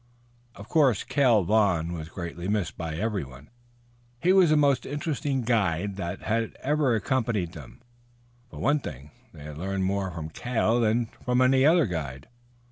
Of course Cale Vaughn was greatly missed by everyone. He was the most interesting guide that had ever accompanied them. For one thing, they had learned more from Cale than from any other guide.